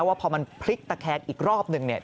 ว่าพอมันพลิกตะแคงอีกรอบหนึ่งเนี่ย